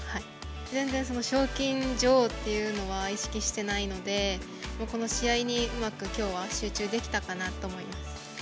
全然賞金女王っていうのは意識してないので、この試合にうまくきょうは集中できたかなと思います。